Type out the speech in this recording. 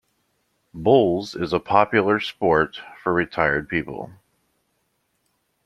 Bowls is a popular sport for retired people